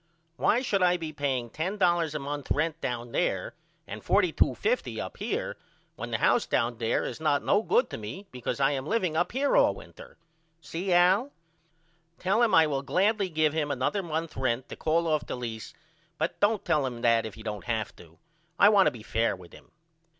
Why should I be paying $10 a month rent down there and $42.50 up here when the house down there is not no good to me because I am liveing up here all winter? See Al? Tell him I will gladly give him another month rent to call off the lease but don't tell him that if you don't have to. I want to be fare with him.